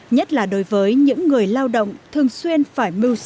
nhất là đối với những người dân hà nội